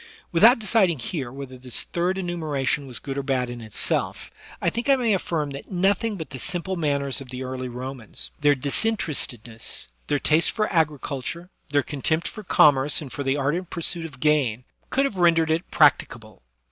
Without deciding here whether this third enumeration was good or bad in itself, I think I may afiSrm that nothing but the simple manners of the early Romans — their disinterestedness, their taste for agriculture, their contempt for commerce and for the ardent pursuit of gain — could have rendered it practicable.